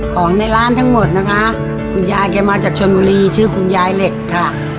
ของในร้านทั้งหมดนะคะคุณยายแกมาจากชนบุรีชื่อคุณยายเหล็กค่ะ